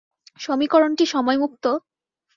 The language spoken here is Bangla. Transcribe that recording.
সমীকরণটি সময় মুক্ত?